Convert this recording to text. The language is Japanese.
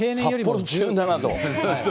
札幌１７度。